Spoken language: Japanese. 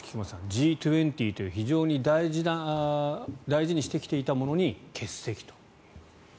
Ｇ２０という非常に大事にしてきていたものに欠席と。